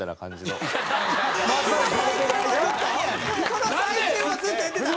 その最中もずっと言ってたん？